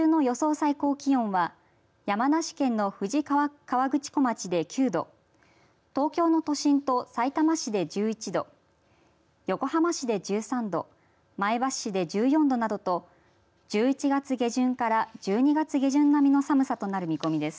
最高気温は山梨県の富士河口湖町で９度東京の都心とさいたま市で１１度横浜市で１３度前橋市で１４度などと１１月下旬から１２月下旬並みの寒さとなる見込みです。